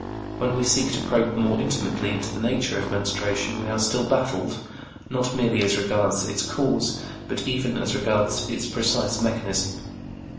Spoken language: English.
When we seek to probe more intimately into the nature of menstruation we are still baffled, not merely as regards its cause, but even as regards its precise mechanism.